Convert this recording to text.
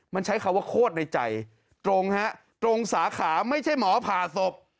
มันใช้คำว่าโคตรในใจตรงฮะตรงสาขาไม่ใช่หมอผ่าศพ